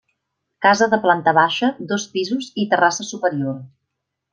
Casa de planta baixa, dos pisos i terrassa superior.